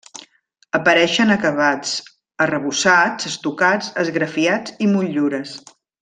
Apareixen acabats arrebossats, estucats, esgrafiats i motllures.